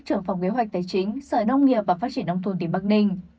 trưởng phòng kế hoạch tài chính sở nông nghiệp và phát triển nông thôn tỉnh bắc ninh